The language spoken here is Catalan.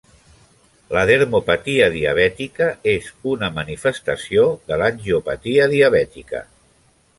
La "dermopatia diabètica" és una manifestació de l'angiopatia diabètica.